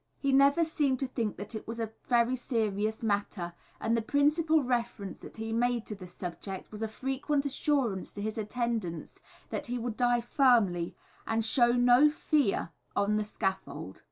He never seemed to think that it was a very serious matter, and the principal reference that he made to the subject was a frequent assurance to his attendants that he would die firmly and show no fear on the scaffold.